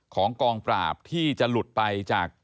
ของกองปราบที่จะหลุดไปจาก